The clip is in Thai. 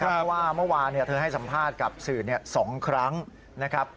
เพราะว่าเมื่อวานเธอให้สัมภาษณ์กับสื่อ๒ครั้งนะครับ